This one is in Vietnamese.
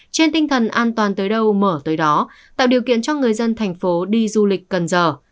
trên tinh thần an toàn tới đâu mở tới đó tạo điều kiện cho người dân thành phố đi du lịch cần giờ